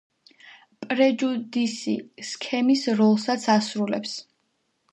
პრეჯუდისი სქემის როლსაც ასრულებს.